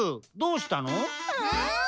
うん？